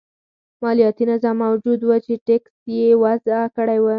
مالیاتي نظام موجود و چې ټکس یې وضعه کړی و.